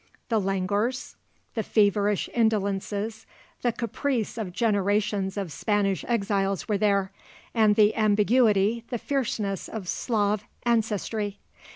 The languors, the feverish indolences, the caprice of generations of Spanish exiles were there, and the ambiguity, the fierceness of Slav ancestry.